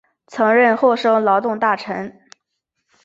曾任厚生劳动大臣。